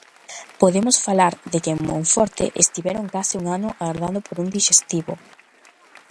Podemos falar de que en Monforte estiveron case un ano agardando por un dixestivo.